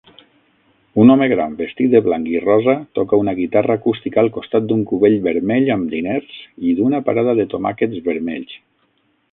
Un home gran vestit de blanc i rosa toca una guitarra acústica al costat d'un cubell vermell amb diners i d'una parada de tomàquets vermells